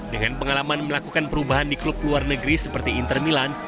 dengan pengalaman melakukan perubahan di klub luar negeri seperti inter milan